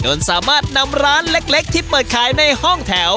สามารถนำร้านเล็กที่เปิดขายในห้องแถว